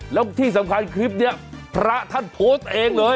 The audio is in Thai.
แล้วที่สำคัญคลิปนี้พระท่านโพสต์เองเลย